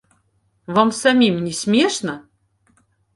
Вам самім не смешна?!